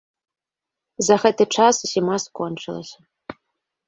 За гэты час зіма скончылася.